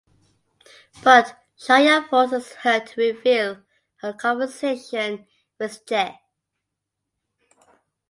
But Shaurya forces her to reveal her conversation with Tej.